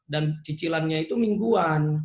dan cicilannya itu mingguan